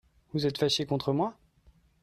Vous êtes faché contre moi ?